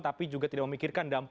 tapi juga tidak memikirkan